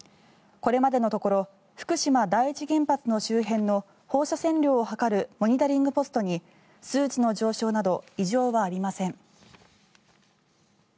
これまでのところ福島第一原発の周辺の放射線量を測るモニタリングポストに数値の上昇など異常はありません。